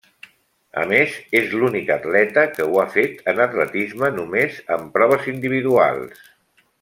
A més, és l'únic atleta que ho ha fet en atletisme només en proves individuals.